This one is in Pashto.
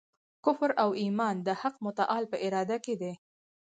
کفر او ایمان د حق متعال په اراده کي دی.